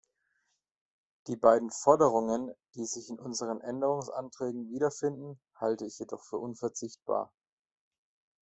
Die beiden Forderungen, die sich in unseren Änderungsanträgen wiederfinden, halte ich jedoch für unverzichtbar.